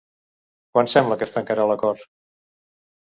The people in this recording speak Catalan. Quan sembla que es tancarà l'acord?